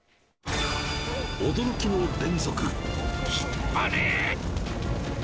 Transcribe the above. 驚きの連続。